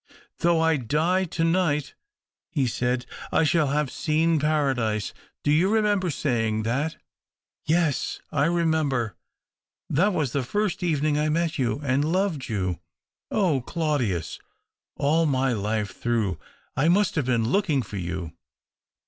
" Though I die to night," he said, " I shall have seen Paradise. Do you remember saying that ?"" Yes, I remember." "That was the first evening I met you and loved you." " Oh, Claudius !"" All my life through I must have been looking for you."